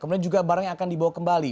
kemudian juga barang yang akan dibawa kembali